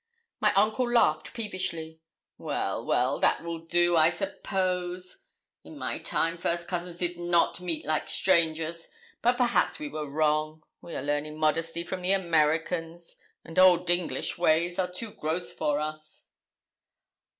My uncle laughed peevishly. 'Well, well, that will do, I suppose. In my time first cousins did not meet like strangers; but perhaps we were wrong; we are learning modesty from the Americans, and old English ways are too gross for us.'